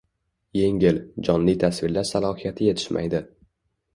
Yengil, jonli tasvirlash salohiyati yetishmaydi